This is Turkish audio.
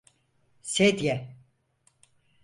Sedye!